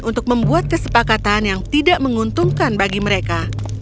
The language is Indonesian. untuk membuat kesepakatan yang tidak menguntungkan bagi mereka